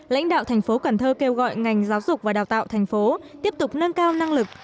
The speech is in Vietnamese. lãnh đạo tp cần thơ kêu gọi ngành giáo dục và đào tạo tp tiếp tục nâng cao năng lực